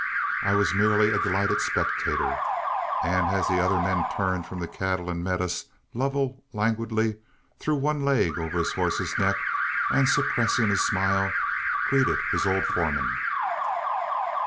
I was merely a delighted spectator, and as the other men turned from the cattle and met us, Lovell languidly threw one leg over his horse's neck, and, suppressing a smile, greeted his old foreman.